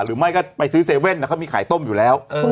หรือไม่ก็ไปซื้อเซเว่นนะครับมีไข่ต้มอยู่แล้ว